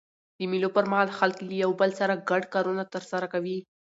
د مېلو پر مهال خلک له یو بل سره ګډ کارونه ترسره کوي.